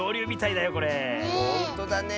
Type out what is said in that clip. ほんとだね。